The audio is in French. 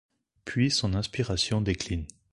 Puis son inspiration décline.